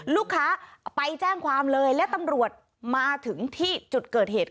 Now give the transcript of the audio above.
ลูกค้าไปแจ้งความเลยและตำรวจมาถึงที่จุดเกิดเหตุ